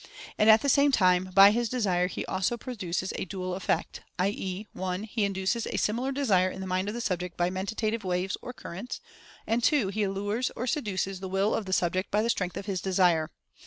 And, at the same time, by his Desire he also produces a dual effect, i. e., (1) he induces a similar desire in the mind of the subject by mentative 56 Mental Fascination waves, or currents, and (2) he allures, or seduces the Will of the subject by the strength of his Desire.